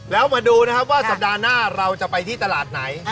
แล้วมาดูนะครับว่าสัปดาห์หน้าเราจะไปที่ตลาดไหน